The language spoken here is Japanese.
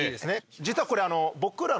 実はこれ。